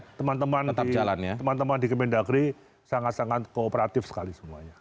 oh enggak enggak enggak teman teman di kementerian negeri sangat sangat kooperatif sekali semuanya